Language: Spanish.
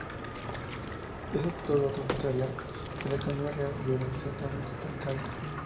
Estos datos mostrarían que la economía real y el bienestar se han estancado.